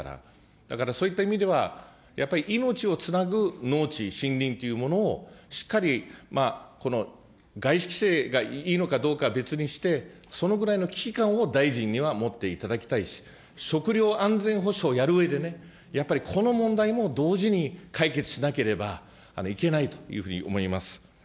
だからそういった意味では、命をつなぐ農地、森林というものをしっかり、この外資規制がいいのかどうか別にして、そのぐらいの危機感を大臣には持っていただきたいし、食料安全保障をやるうえでね、やっぱりこの問題も同時に解決しなければいけないというふうに思います。